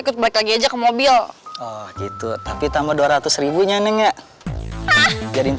ikut balik lagi aja ke mobil gitu tapi tambah dua ratus nya enggak jadi empat ratus